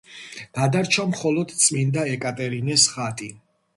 გადარჩა მხოლოდ წმინდა ეკატერინეს ხატი.